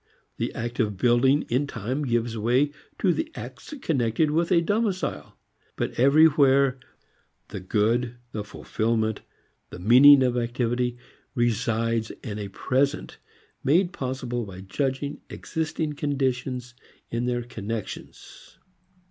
The act of building in time gives way to the acts connected with a domicile. But everywhere the good, the fulfilment, the meaning of activity, resides in a present made possible by judging existing conditions in their connections.